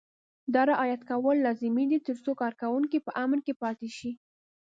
دا رعایت کول لازمي دي ترڅو کارکوونکي په امن کې پاتې شي.